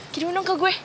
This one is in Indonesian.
kirimin dong ke gue